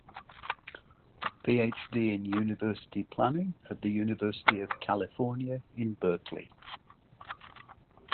A PhD in University Planning at the University of California, in Berkeley.